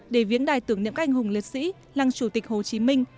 để viếng đài tưởng niệm các anh hùng liệt sĩ lăng chủ tịch hồ chí minh